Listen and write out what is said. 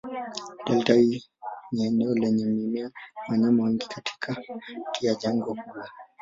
Delta hii ni eneo lenye mimea na wanyama wengi katikati ya jangwa kubwa.